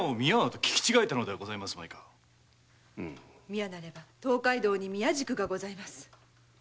「ミヤ」なれば東海道に宮宿がございます。